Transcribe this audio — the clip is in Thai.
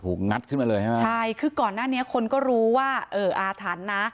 งัดขึ้นมาเลยใช่ไหมใช่คือก่อนหน้านี้คนก็รู้ว่าเอออาถรรพ์นะ